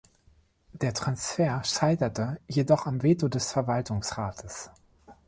Der Transfer scheiterte jedoch am Veto des Verwaltungsrates.